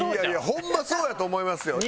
ホンマそうやと思いますよ。